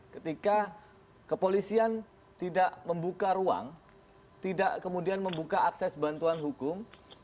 ketika kepolisian tidak membuka ruang tidak kemudian membuka akses bantuan hukum